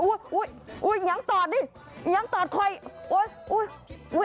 อุ๊ยอย่างต่อดิอย่างต่อดค่อยอุ๊ย